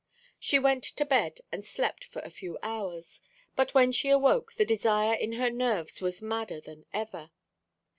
She went to bed and slept for a few hours; but when she awoke the desire in her nerves was madder than ever.